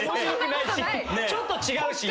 ちょっと違うし。